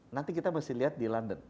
nanti kita masih lihat di london